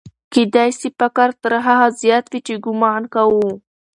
کېدای سي فقر تر هغه زیات وي چې ګومان کوو.